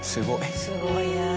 すごい。